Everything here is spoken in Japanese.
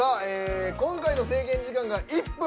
今回の制限時間が１分！